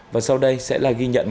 và sau đây sẽ là ghi nhận